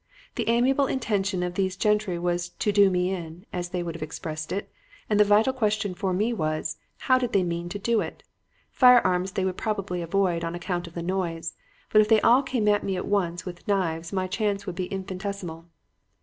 The amiable intention of these gentry was to 'do me in,' as they would have expressed it, and the vital question for me was, How did they mean to do it? Firearms they would probably avoid on account of the noise, but if they all came at me at once with knives my chance would be infinitesimal.